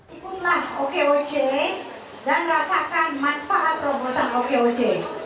ikutlah okoc dan rasakan manfaat terobosan okoc